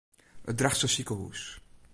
It Drachtster sikehûs.